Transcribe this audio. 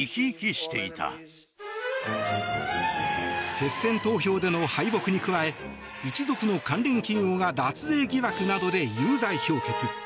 決選投票での敗北に加え一族の関連企業が脱税疑惑などで有罪評決。